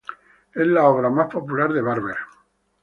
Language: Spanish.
Es la obra más popular de Barber.